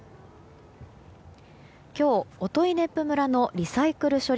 今日、音威子府村のリサイクル処理